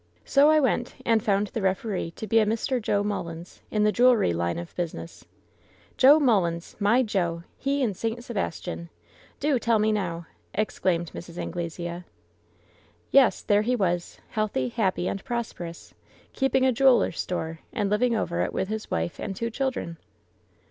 So I went, and found the referee to be a Mr. Joe Mullins, in the jewelry line of business." "JoeMullins! My Joe! He in St. Sebastian! Do tell me now !" exclaimed Mrs. Anglesea. "Yes, there he was, healthy, happy and prosperous, keeping a jeweler's store, and living over it with his wife and two children